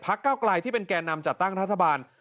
เก้าไกลที่เป็นแก่นำจัดตั้งรัฐบาล